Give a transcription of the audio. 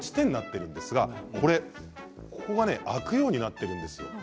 ここが持ち手になっているんですが開くようになっているんですよ。